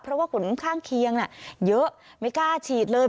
เพราะว่าผลข้างเคียงเยอะไม่กล้าฉีดเลย